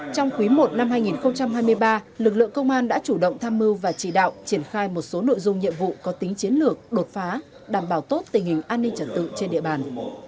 trong quý i năm hai nghìn hai mươi ba lực lượng công an đã chủ động tham mưu và chỉ đạo triển khai một số nội dung nhiệm vụ có tính chiến lược đột phá đảm bảo tốt tình hình an ninh trật tự trên địa bàn